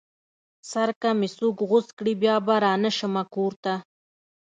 سر که مې څوک غوڅ کړې بيا به رانشمه کور ته